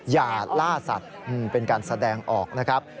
อย่าล่าสัตว์เป็นการแสดงออกนะครับ